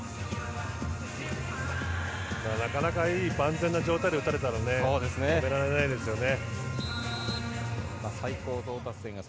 なかなか万全な状態で打たれたら止められないですよね。